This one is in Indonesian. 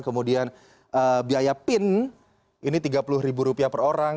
kemudian biaya pin ini tiga puluh ribu rupiah per orang